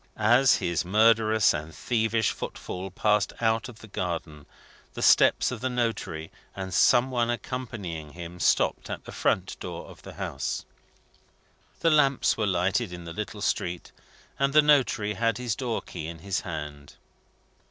As his murderous and thievish footfall passed out of the garden, the steps of the notary and some one accompanying him stopped at the front door of the house. The lamps were lighted in the little street, and the notary had his door key in his hand.